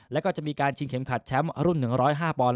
แล้วก็จะมีการชิงเข็มขัดแชมป์รุ่น๑๐๕ปอนด